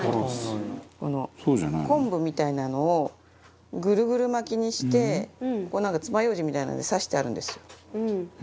この昆布みたいなのをぐるぐる巻きにしてここを、なんかつまようじみたいなので刺してあるんですよ。